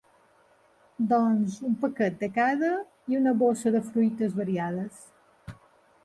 Doncs un paquet de cada i una bossa de fruites variades.